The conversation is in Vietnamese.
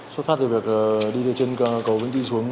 xuất phát từ việc đi từ trên cầu vĩnh đi xuống